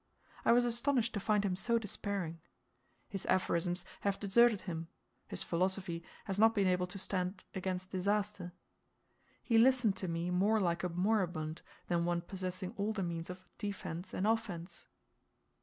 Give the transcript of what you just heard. I was astonished to find him so despairing. His aphorisms have deserted him, his philosophy has not been able to stand against disaster. He listened to me, more like a moribund, than one possessing all the means of defence and offence.